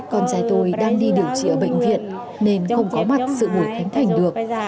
con trai tôi đang đi điều trị ở bệnh viện nên không có mặt sự buổi khánh thành được